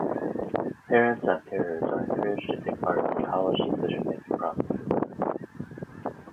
Parents and carers are encouraged to take part in College decision making processes.